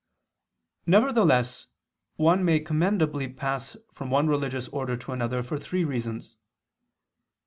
Nevertheless one may commendably pass from one religious order to another for three reasons.